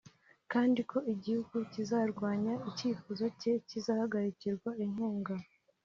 kandi ko igihugu kizarwanya icyifuzo cye kizahagarikirwa inkunga